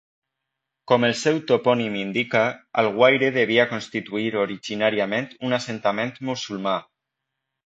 Com el seu topònim indica, Alguaire devia constituir originàriament un assentament musulmà.